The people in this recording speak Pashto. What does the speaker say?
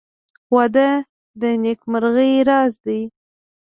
• واده د نېکمرغۍ راز دی.